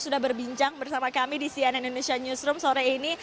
sudah berbincang bersama kami di cnn indonesia newsroom sore ini